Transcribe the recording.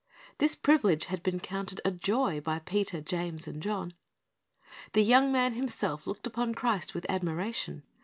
This privilege had been counted a joy by Peter, James, and John. The young man himself looked upon Christ with admiration.